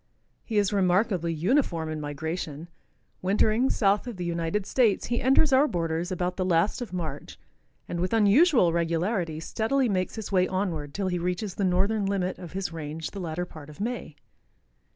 He is remarkably uniform in migration. Wintering south of the United States, he enters our borders about the last of March and with unusual regularity steadily makes his way onward till he reaches the northern limit of his range the latter part of May.